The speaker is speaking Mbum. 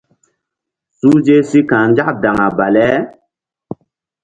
Suhze si ka̧h nzak daŋa bale.